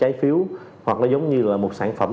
trái phiếu hoặc nó giống như là một sản phẩm